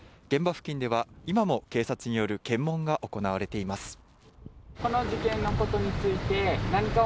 現場付近では、今も警察による検問が行われています。